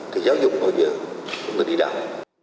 thì giáo dục ở giữa cũng có đi đạo